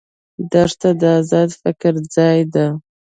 دښته د آزاد فکر ځای ده.